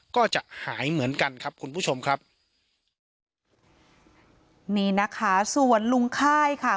ก็จะหายเหมือนกันครับคุณผู้ชมครับนี่นะคะส่วนลุงค่ายค่ะ